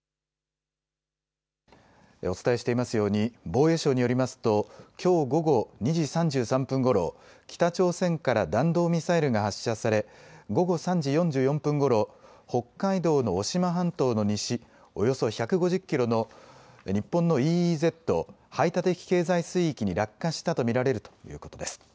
お伝えしていますように、防衛省によりますと、きょう午後２時３３分ごろ、北朝鮮から弾道ミサイルが発射され、午後３時４４分ごろ、北海道の渡島半島の西、およそ１５０キロの日本のＥＥＺ・排他的経済水域に落下したと見られるということです。